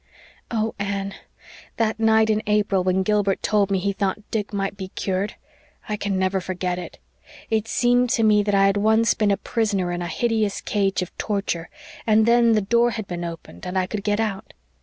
"Oh, Anne, that night in April when Gilbert told me he thought Dick might be cured! I can never forget it. It seemed to me that I had once been a prisoner in a hideous cage of torture, and then the door had been opened and I could get out.